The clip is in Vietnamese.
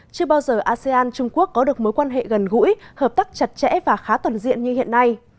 chưa bao giờ asean trung quốc có được mối quan hệ gần gũi hợp tác chặt chẽ và khá toàn diện như hiện nay